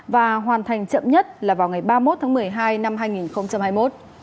và hoàn thành chậm nhất là vào ngày ba mươi một tháng một mươi hai năm hai nghìn hai mươi một